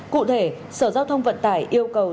cụ thể sở giao thông vận tải yêu cầu